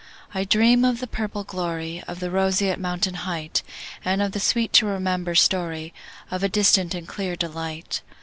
I dream of the purple gloryOf the roseate mountain heightAnd the sweet to remember storyOf a distant and clear delight.